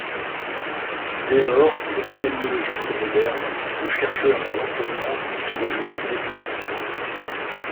Dès lors l'épidémiologiste moderne, le chercheur et l'enseignant se rejoignent définitivement.